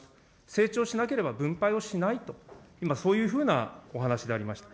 成長しなければ分配をしないと、今、そういうふうなお話でありました。